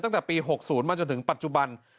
ตั้งแต่ปี๖๐มาจนถึงปัจจุบัน